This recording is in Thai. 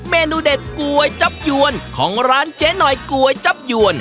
เมนูเด็ดก๋วยจับยวนของร้านเจ๊หน่อยก๋วยจับยวน